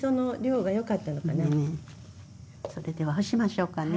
それでは干しましょうかね。